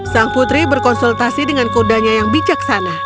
sang putri berkonsultasi dengan kodanya yang bijaksana